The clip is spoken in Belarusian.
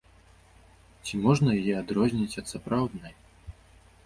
Ці можна яе адрозніць ад сапраўднай?